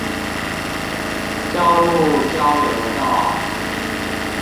彰鹿交流道